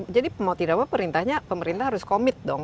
jadi mau tidak apa perintahnya pemerintah harus commit dong